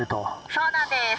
そうなんです。